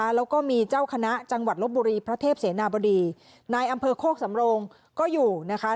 แล้วก็มีเจ้าคณะจังหวัดลบบุรีพระเทพเสนาบดีนายอำเภอโคกสำโรงก็อยู่นะคะ